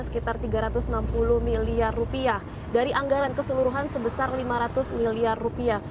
sekitar tiga ratus enam puluh miliar rupiah dari anggaran keseluruhan sebesar lima ratus miliar rupiah